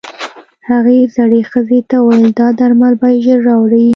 هغې زړې ښځې ته وويل دا درمل بايد ژر راوړې.